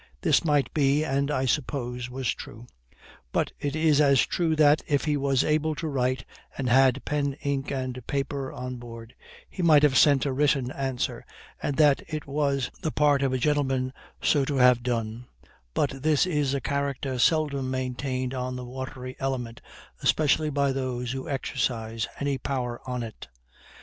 This might be, and I suppose was, true; but it is as true that, if he was able to write, and had pen, ink, and paper on board, he might have sent a written answer, and that it was the part of a gentleman so to have done; but this is a character seldom maintained on the watery element, especially by those who exercise any power on it.